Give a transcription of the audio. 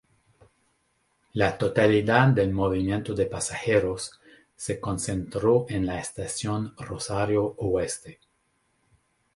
La totalidad del movimiento de pasajeros se concentró en la estación Rosario Oeste.